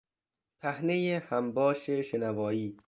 پهنهی همباش شنوایی